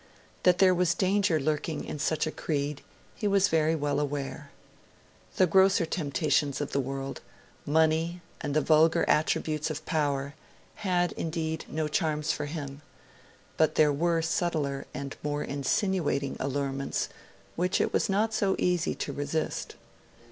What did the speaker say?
That there was danger lurking in such a creed he was very well aware. The grosser temptations of the world money and the vulgar attributes of power had, indeed, no charms for him; but there were subtler and more insinuating allurements which it was not so easy to resist.